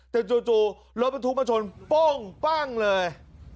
แต่จู่รถมันถูกมาชนป้องปั้งเลย